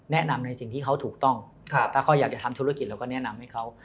ในสิ่งที่เขาถูกต้องถ้าเขาอยากจะทำธุรกิจเราก็แนะนำให้เขา